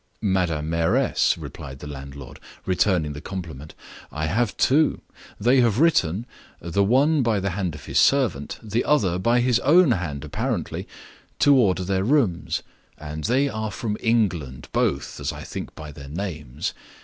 "Madame Mayoress," replied the landlord (returning the compliment), "I have two. They have written the one by the hand of his servant, the other by his own hand apparently to order their rooms; and they are from England, both, as I think by their names.